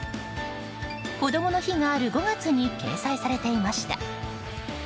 こどもの日がある５月に掲載されていました。